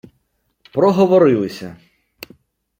Проговорилися